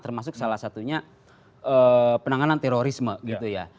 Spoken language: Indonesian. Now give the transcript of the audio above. termasuk salah satunya penanganan terorisme gitu ya